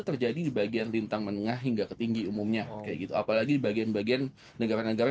terjadi di bagian lintang menengah hingga ketinggi umumnya kayak gitu apalagi bagian bagian negara negara